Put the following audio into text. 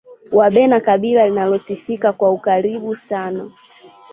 wabena kabila linalosifika kwa ukaribu sana